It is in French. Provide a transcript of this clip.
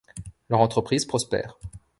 Leur entreprise prospère.